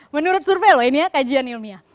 menurut survei loh ini ya kajian ilmiah